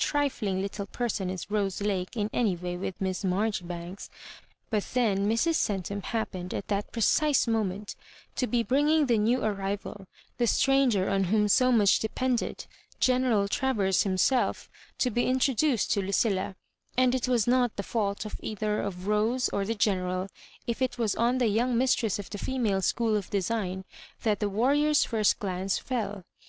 trifling little per son as Rose Lake in any way with Miss Marjori banks ; but then Mrs. Centum happened at that precise moment to be bringing the new arrival, the stranger on whom so much depended — Gene ral Travers himself ^to be introduced to Lucilla ; and it was not the foult either of Rose or the Greneral if it was on the young mistress of the Female School of Design that the warrior's first glance fell.